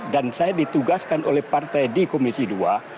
dan saya ditugaskan oleh partai di komisi dua